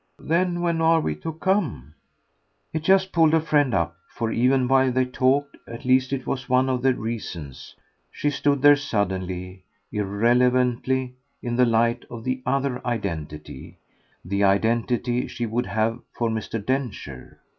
"Then when are we to come?" It just pulled her friend up, for even while they talked at least it was one of the reasons she stood there suddenly, irrelevantly, in the light of her OTHER identity, the identity she would have for Mr. Densher.